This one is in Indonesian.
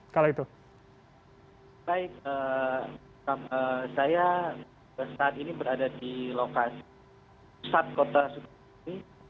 baik saya saat ini berada di lokasi pusat kota sukabumi